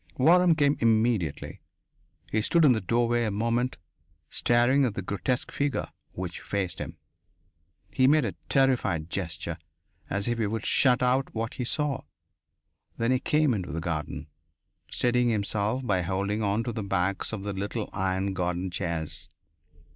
Waram came immediately. He stood in the doorway a moment, staring at the grotesque figure which faced him. He made a terrified gesture, as if he would shut out what he saw. Then he came into the garden, steadying himself by holding on to the backs of the little iron garden chairs.